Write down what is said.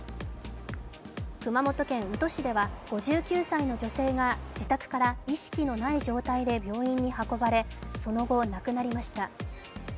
熊本県宇土市では５９歳の女性が自宅から意識のない状態で病院に運ばれ、その後、亡くなりました。